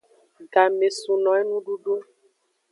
Game sun no enududu.